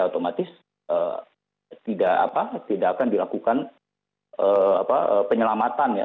otomatis tidak akan dilakukan penyelamatan ya